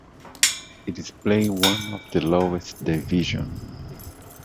It is playing one of the lowest division.